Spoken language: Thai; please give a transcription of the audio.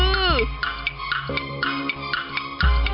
มันคือ